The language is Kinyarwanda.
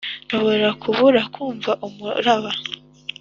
nshobora kubura kumva umuraba.